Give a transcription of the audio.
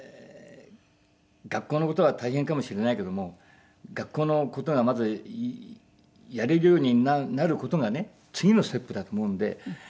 学校の事は大変かもしれないけども学校の事がまずやれるようになる事がね次のステップだと思うので。